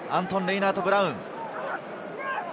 アントン・レイナートブラウン。